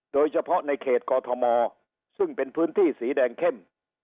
โดยเฉพาะในเขตกอทมซึ่งเป็นพื้นที่สีแดงเข้ม